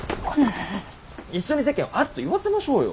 一緒に世間をあっと言わせましょうよ。